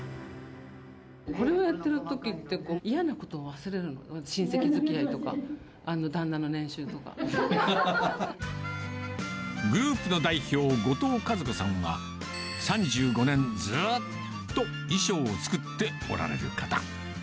これをやってるときって、嫌なことを忘れる、親戚づきあいとか、グループの代表、後藤和子さんは、３５年ずーっと衣装を作っておられる方。